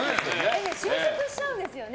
就職しちゃうんですよね。